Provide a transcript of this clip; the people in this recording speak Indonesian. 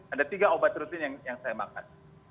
ada tiga obat rutin yang saya makan